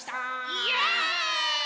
イエーイ！